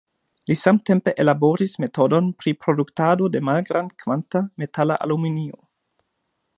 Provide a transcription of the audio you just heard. Li samtempe ellaboris metodon pri produktado de malgrand-kvanta metala aluminio.